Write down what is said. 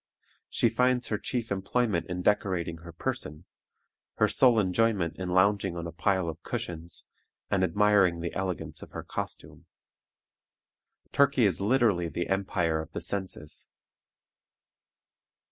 She finds her chief employment in decorating her person, her sole enjoyment in lounging on a pile of cushions, and admiring the elegance of her costume. Turkey is literally the empire of the senses.